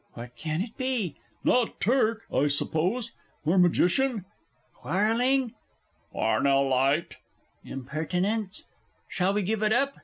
What can it be? Not Turk, I suppose, or Magician? Quarrelling? Parnellite Impertinence? Shall we give it up?